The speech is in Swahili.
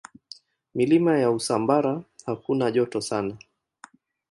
Milima ya Usambara hakuna joto sana.